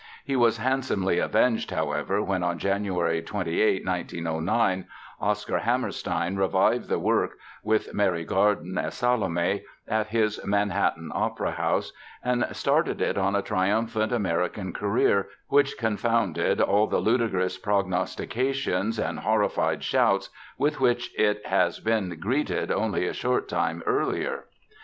He was handsomely avenged, however, when on January 28, 1909, Oscar Hammerstein revived the work (with Mary Garden as Salome) at his Manhattan Opera House and started it on a triumphant American career, which confounded all the ludicrous prognostications and horrified shouts with which it has been greeted only a short time earlier.